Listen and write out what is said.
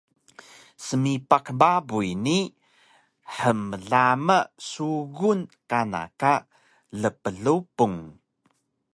smipaq babuy ni hmlama sugun kana ka lplupung